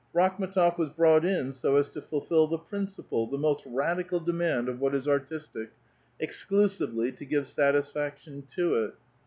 Rakhm^tof was brought in so as to fulfil the principal, the most radical demand of what is artistic ; exclusively to give satisfaction to it.